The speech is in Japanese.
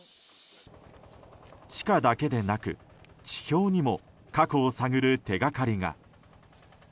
地下だけでなく地表にも過去を探る手掛かりが。